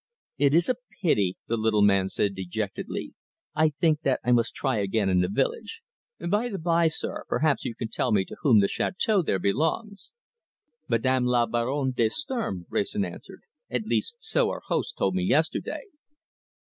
"It is a pity," the little man said dejectedly. "I think that I must try again in the village. By the by, sir, perhaps you can tell me to whom the château there belongs?" "Madame la Baronne de Sturm," Wrayson answered. "At least, so our host told me yesterday."